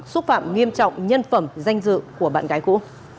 xúc phạm nghiêm trọng nhân phẩm danh dự của bạn gái cũ